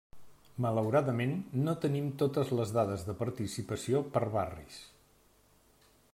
Malauradament no tenim totes les dades de participació per barris.